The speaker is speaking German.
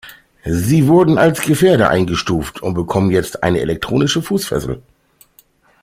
Sie wurden als Gefährder eingestuft und bekommen jetzt eine elektronische Fußfessel.